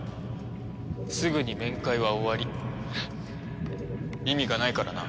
すぐに面会は終わり意味がないからな。